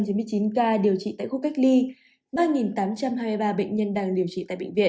hai trăm chín mươi chín ca điều trị tại khu cách ly ba tám trăm hai mươi ba bệnh nhân đang điều trị tại bệnh viện